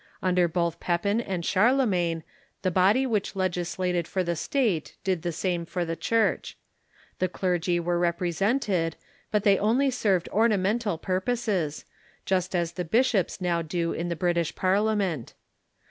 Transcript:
Under both Pepin and Charlemagne the body which legislated for the State did the same for the Church, The clergy were rep resented, but they only served ornamental 25ur2:)oses, just as the bishops now do in the British Parliament.